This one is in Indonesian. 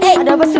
ada apa sih